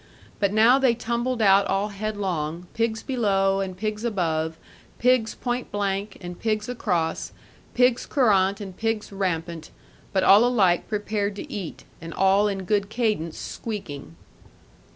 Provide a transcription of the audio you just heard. But now they tumbled out all headlong, pigs below and pigs above, pigs point blank and pigs across, pigs courant and pigs rampant, but all alike prepared to eat, and all in good cadence squeaking.